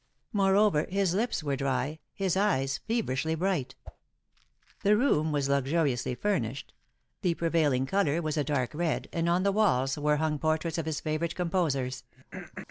Moreover, his lips were dry, his eyes feverishly bright. The room was luxuriously furnished. The prevailing colour was a dark red, and on the walls were hung portraits of his favourite composers.